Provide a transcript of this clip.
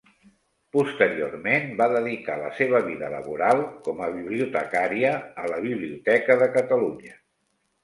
Posteriorment, va dedicar la seva vida laboral com a bibliotecària a la Biblioteca de Catalunya.